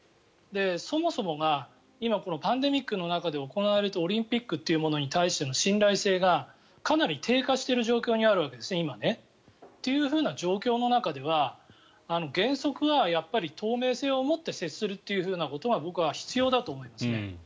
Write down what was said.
そもそもが今パンデミックの中で行われるオリンピックというものに対しての信頼性がかなり低下している状況にあるわけですね。というふうな状況の中では原則は透明性を持って接するということが僕は必要だと思いますね。